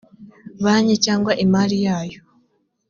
banki cyangwa imari yayo